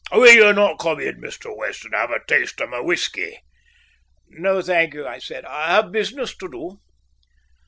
Will ye not come in, Mr. West, and have a taste of my whisky?" "No, thank you," said I, "I have business to do."